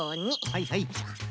はいはい。